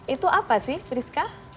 itu apa sih rizka